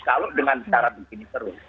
kalau dengan cara begini terus